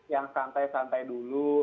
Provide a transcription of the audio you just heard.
yang santai santai dulu